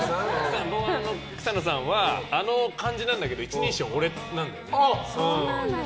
ボーカルの草野さんはあの感じだけど一人称、俺なんだよね。